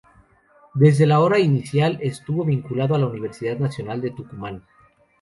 Desde la hora inicial, estuvo vinculado a la Universidad Nacional de Tucumán.